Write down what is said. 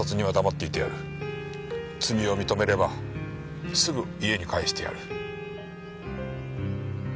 「罪を認めればすぐ家に帰してやる」